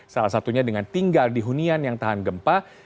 salah satunya dengan tinggal di hunian yang tahan gempa